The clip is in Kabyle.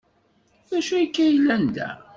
D acu akka yellan da?